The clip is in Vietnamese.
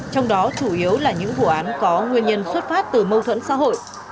trong đó chủ yếu là những vụ án có nguyên nhân xuất phát từ mâu thuẫn xã hội